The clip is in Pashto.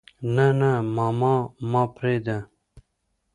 نه نه ماما ما پرېده.